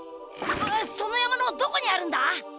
そのやまのどこにあるんだ？